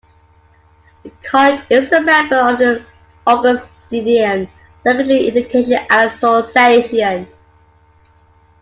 The college is a member of the Augustinian Secondary Education Association.